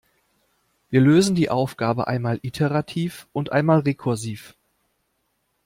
Wir lösen die Aufgabe einmal iterativ und einmal rekursiv.